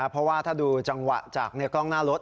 เพราะว่าถ้าดูจังหวะจากกล้องหน้ารถ